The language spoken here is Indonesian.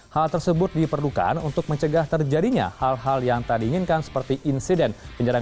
hal tersebut diperlukan untuk mencegah terjadinya hal hal yang tadi inginkan seperti insiden penyerangan bus tim persija jakarta